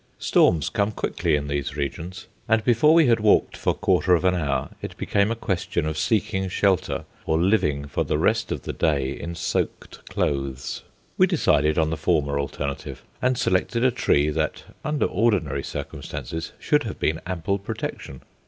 Storms come quickly in these regions, and before we had walked for quarter of an hour it became a question of seeking shelter or living for the rest of the day in soaked clothes. We decided on the former alternative, and selected a tree that, under ordinary circumstances, should have been ample protection.